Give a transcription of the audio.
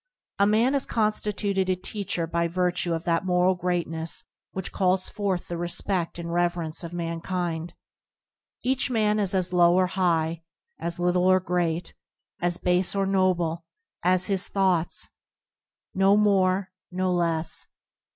A man is constituted a teacher by virtue of that moral greatness which calls forth the resped: and reverence of mankind. Each man is as low or high, as little or great, as base or noble, as his thoughts; no more, no less.